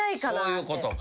そういうことか。